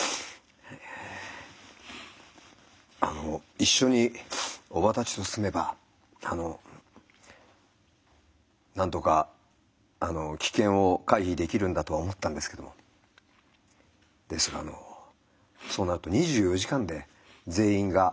一緒に叔母たちと住めばなんとか危険を回避できるんだとは思ったんですけどもですがそうなると２４時間で全員が祖母と向き合うんですね。